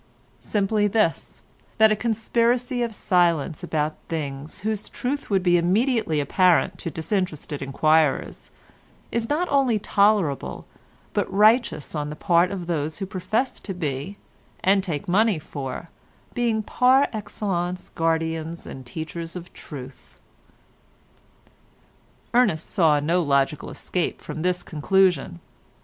Simply this, that a conspiracy of silence about things whose truth would be immediately apparent to disinterested enquirers is not only tolerable but righteous on the part of those who profess to be and take money for being par excellence guardians and teachers of truth. Ernest saw no logical escape from this conclusion.